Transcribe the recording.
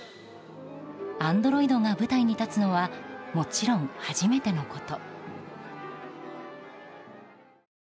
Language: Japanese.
アンドロイドが舞台に立つのはもちろん初めてのこと。